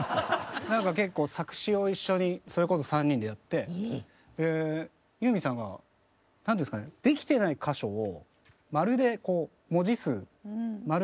なんか結構作詞を一緒にそれこそ３人でやってユーミンさんが何ですかねできてない箇所を「○」でこう文字数「○○○」。